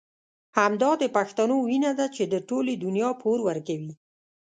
همدا د پښتنو وينه ده چې د ټولې دنيا پور ورکوي.